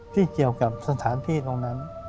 ที่เกี่ยวกับสถานที่ตรงนั้น